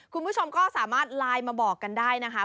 คุณผู้ชมก็สามารถไลน์มาบอกกันได้นะคะ